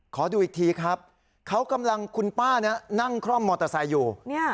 ขอดูอีกทีครับเขากำลังคุณป้านั่งคล่อมมอเตอร์ไซค์อยู่